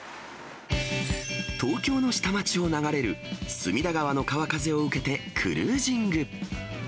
東京の下町を流れる隅田川の川風を受けてクルージング。